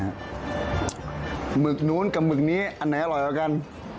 หมึกนู้นกับหมึกนี้อันไหนอร่อยกว่ากัน